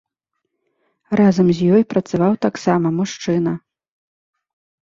Разам з ёй працаваў таксама мужчына.